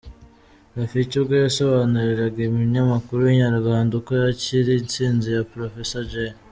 , Rafiki ubwo yasobanuriraga umunyamakuru w’inyarwanda uko yakiriye intsinzi ya Professor Jay.